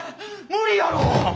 無理やろ！